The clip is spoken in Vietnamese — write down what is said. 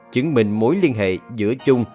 chứng minh mối liên hệ giữa trung